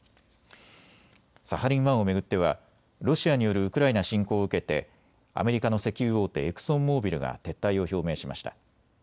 サハリン１を巡ってはロシアによるウクライナ侵攻を受けてアメリカの石油大手、エクソンモービルが撤退を表明しました。